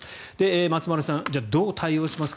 松丸さんじゃあ、どう対応しますか。